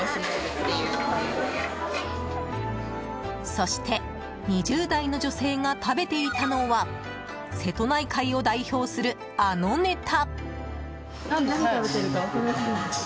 そして、２０代の女性が食べていたのは瀬戸内海を代表する、あのネタ！